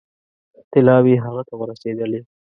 طلاوې هغه ته ورسېدلې.